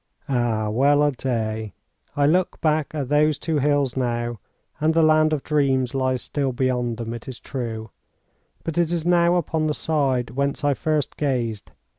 Ah, well a day! I look back at those two hills now, and the land of dreams lies still beyond them, it is true; but it is now upon the side whence I first gazed.